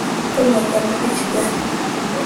ukomoka muri kigali